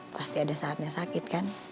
pasti ada saatnya sakit kan